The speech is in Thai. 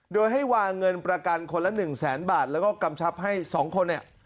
โดยให้วางเงินประกันคนละ๑แสนบาทแล้วก็กำชับให้๒คนเนี่ย